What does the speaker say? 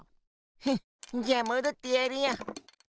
ふんじゃあもどってやるよ。